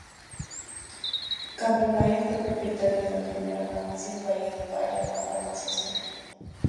Campo Maya fue propietario de la primera farmacia en Valledupar, llamada farmacia 'Sonia'.